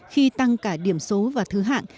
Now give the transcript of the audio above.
khi tăng cả điểm số và thứ hạng